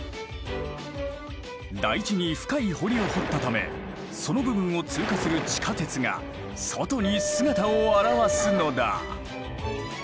台地に深い堀を掘ったためその部分を通過する地下鉄が外に姿を現すのだ。